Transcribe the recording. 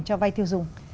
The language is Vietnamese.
cho vay tiêu dùng